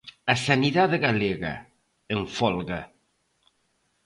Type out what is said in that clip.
'A sanidade galega, en folga'.